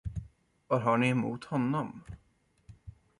Vad har ni emot honom?